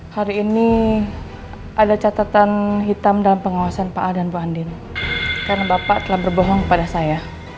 hari ini ada catatan hitam dalam pengawasan pak a dan bu andin karena bapak telah berbohong kepada saya